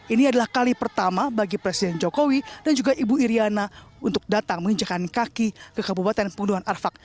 ini adalah kali pertama bagi presiden jokowi dan juga ibu iryana untuk datang menginjakan kaki ke kabupaten pembunuhan arfak